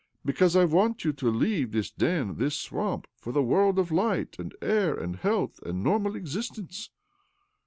" Because I want you to leave this den, this swamp, for the world of light and air and health and normal existence."